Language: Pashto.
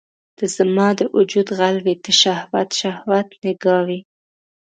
ته زما د وجود غل وې ته شهوت، شهوت نګاه وي